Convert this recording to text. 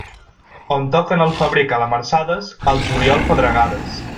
On toquen al febrer calamarsades, al juliol pedregades.